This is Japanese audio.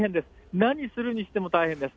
何するにしても大変です。